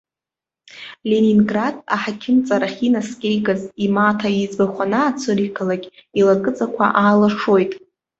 Ленинград аҳақьымҵарахь инаскьеигаз имаҭа иӡбахә анаацәыригалакь, илакыҵақәа аалашоит.